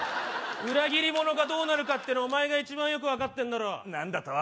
裏切り者がどうなるかってのお前が一番よく分かってんだろ何だと？